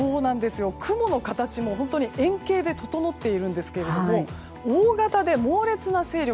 雲の形も円形で整っているんですけども大型で猛烈な勢力。